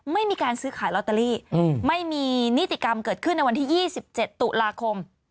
ไม่มีการซื้อขายลอตเตอรี่ไม่มีนิติกรรมเกิดขึ้นในวันที่๒๗ตุลาคม